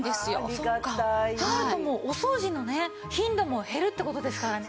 そうなるともうお掃除のね頻度も減るって事ですからね。